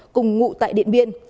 cùng ngụ tại điện biên